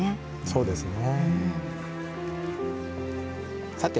そうですね。